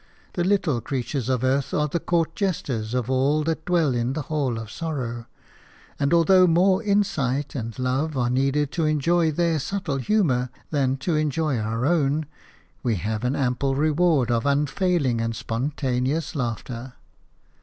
The little creatures of earth are the court jesters of all that dwell in the hall of sorrow. And although more insight and love are needed to enjoy their subtle humour than to enjoy our own, we have an ample reward of unfailing and spontaneous laughter.